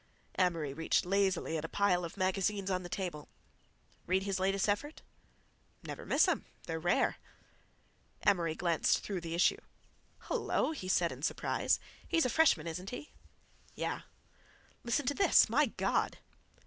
Amory reached lazily at a pile of magazines on the table. "Read his latest effort?" "Never miss 'em. They're rare." Amory glanced through the issue. "Hello!" he said in surprise, "he's a freshman, isn't he?" "Yeah." "Listen to this! My God!